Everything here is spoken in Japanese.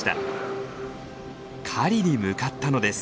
狩りに向かったのです。